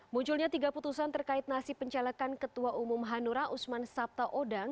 munculnya tiga putusan terkait nasib pencalekan ketua umum hanura usman sabta odang